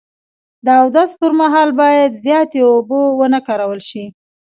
د اودس پر مهال باید زیاتې اوبه و نه کارول شي.